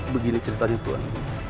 begini ceritanya tuhan